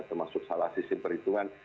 termasuk salah sistem perhitungan